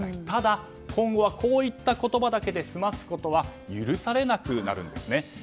ただ、今後はこういった言葉だけで済ますことは許されなくなるんですね。